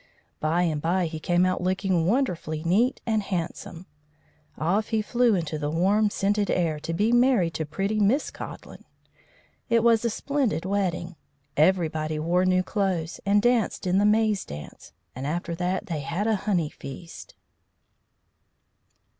By and by he came out looking wonderfully neat and handsome. Off he flew into the warm, scented air to be married to pretty Miss Codlin. It was a splendid wedding. Everybody wore new clothes and danced in the maze dance, and after that they had a honey feast.